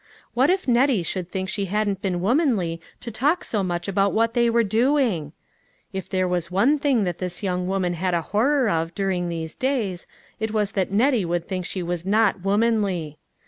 What if Nettie should think she hadn't been womanly to talk so much about what they were doing ! If there was one thing that this young woman had a horror of during these days, it was that Nettie would think she was not womanly.